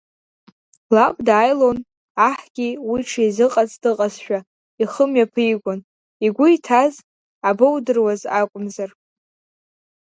Лаб дааилон, аҳгьы уи дшизыҟац дыҟазшәа, ихы мҩаԥигон, игәы иҭаз абоудыруаз акәымзар.